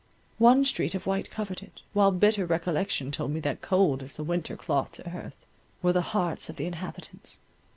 One sheet of white covered it, while bitter recollection told me that cold as the winter clothed earth, were the hearts of the inhabitants.